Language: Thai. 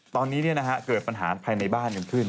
ตอนนี้เนี่ยนะฮะเกิดปัญหาภายในบ้านยังขึ้น